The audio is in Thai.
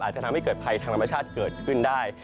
จะทำให้เกิดภัยทางธรรมชาติเกิดขึ้นได้